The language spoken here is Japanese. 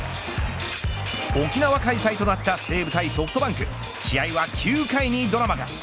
沖縄開催となった西武対ソフトバンク試合は９回にドラマが。